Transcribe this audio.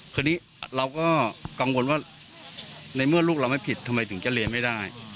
คราวนี้เราก็กังวลว่าในเมื่อลูกเราไม่ผิดทำไมถึงจะเรียนไม่ได้